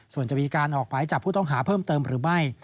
ส่วนจะมีการออกหมายจับผู้ต้องหาเพิ่มเติมหรือไม่